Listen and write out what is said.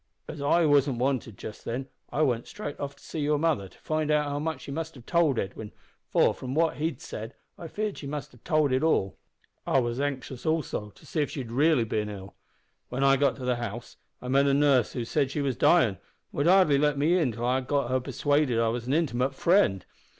"As I wasn't `wanted' just then, I went straight off to see your mother, to find out how much she had told to Edwin, for, from what he had said, I feared she must have told all. I was anxious, also, to see if she'd bin really ill. When I got to the house I met a nurse who said she was dyin', an' would hardly let me in, till I got her persuaded I was an intimate friend.